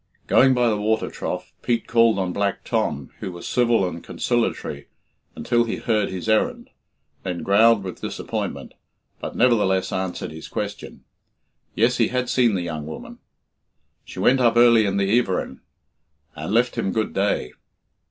Going by the water trough, Pete called on Black Tom, who was civil and conciliatory until he heard his errand, then growled with disappointment, but nevertheless answered his question. Yes, he had seen the young woman. She went up early in the "everin," and left him good day.